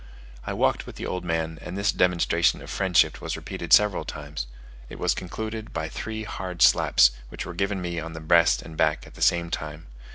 I walked with the old man, and this demonstration of friendship was repeated several times; it was concluded by three hard slaps, which were given me on the breast and back at the same time.